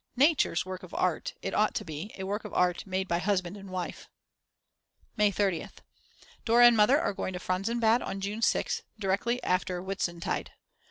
Nature's work of art; it ought to be: a work of art made by husband and wife!!! May 30th. Dora and Mother are going to Franzensbad on June 6th, directly after Whitsuntide.